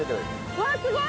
うわっすごい。